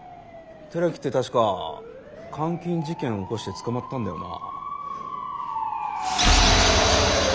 寺木って確か監禁事件起こして捕まったんだよな。